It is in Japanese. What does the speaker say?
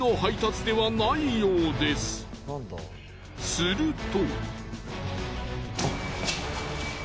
すると。